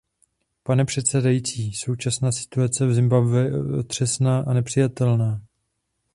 Pane předsedající, současná situace v Zimbabwe je otřesná a nepřijatelná.